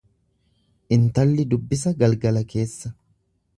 Intalli dubbisa galgala keessa.